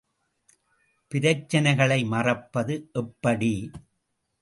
பிரச்சினைகளை மறப்பது எப்படி?